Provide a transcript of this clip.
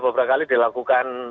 tapi onu kan